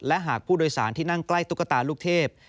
และหากผู้โดยสารที่นั่งใกล้ตุ๊กตาลูกเทพ